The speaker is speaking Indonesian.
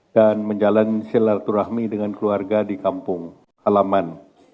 dan menjalani selera turahmi dengan keluarga di kampung alaman